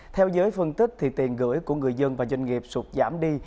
theo giới phân tích tiền gửi của người dân và doanh nghiệp sụt giảm đi